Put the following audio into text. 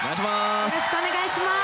よろしくお願いします。